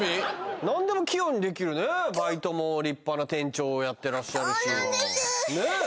何でも器用にできるねバイトも立派な店長をやってらっしゃるしそうなんですふふふ